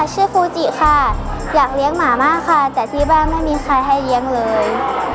ชื่อครูจิค่ะอยากเลี้ยงหมามากค่ะแต่ที่บ้านไม่มีใครให้เลี้ยงเลย